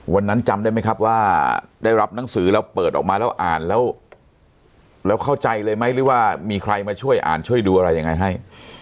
วันนั้นจำได้ไหมครับว่าได้รับหนังสือแล้วเปิดออกมาแล้วอ่านแล้วแล้วเข้าใจเลยไหมหรือว่ามีใครมาช่วยอ่านช่วยดูอะไรยังไงให้